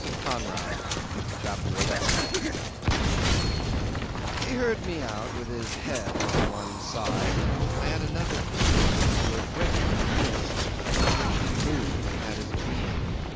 CHAPTER 11 'He heard me out with his head on one side, and I had another glimpse through a rent in the mist in which he moved and had his being.